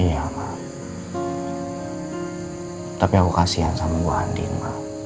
iya tapi aku kasihan sama ibu andin